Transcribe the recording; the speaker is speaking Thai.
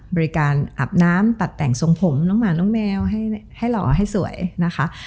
บริการอาบน้ำตัดแต่งทรงผมน้องหมาน้องแมวให้หล่อให้สวยนะคะ